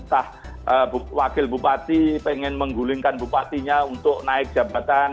entah wakil bupati pengen menggulingkan bupatinya untuk naik jabatan